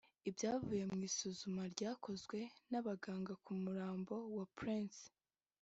Mu byavuye mu isuzumwa ryakozwe n’abaganga ku murambo wa Prince